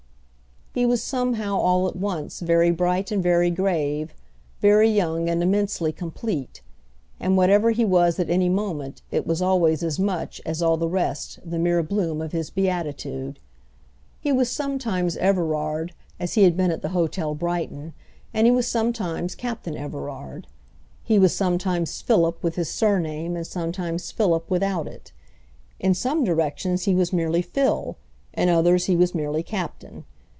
He was somehow all at once very bright and very grave, very young and immensely complete; and whatever he was at any moment it was always as much as all the rest the mere bloom of his beatitude. He was sometimes Everard, as he had been at the Hôtel Brighton, and he was sometimes Captain Everard. He was sometimes Philip with his surname and sometimes Philip without it. In some directions he was merely Phil, in others he was merely Captain.